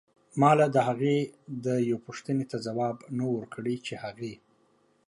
مالا دهغې دپو ښتنې ته ځواب نه و ورکړی چې هغې